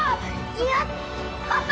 やった！